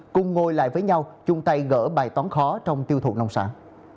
cùng ngồi lại với nhau chung tay gỡ bài toán khó trong tiêu thụ nông sản